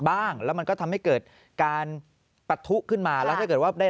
บ้างแล้วมันก็ทำให้เกิดการปะทุขึ้นมาแล้วถ้าเกิดว่าได้